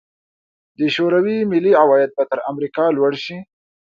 د شوروي ملي عواید به تر امریکا لوړ شي.